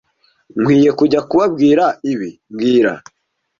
Nkwiye kujya kubabwira ibi mbwira